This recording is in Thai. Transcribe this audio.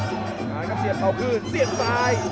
เพราะฉะนั้นแค่เสียดเข้าครึ่งเสียดซ้าย